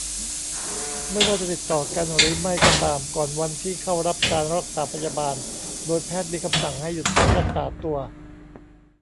ไม่ว่าจะติดต่อกันหรือไม่ก็ตาม ก่อนวันที่เข้ารับการรักษาพยาบาล โดยแพทย์มีคำสั่งให้หยุดพักรักษาตัว